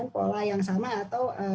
pola yang sama atau